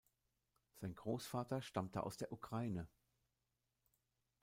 Sein Großvater stammte aus der Ukraine.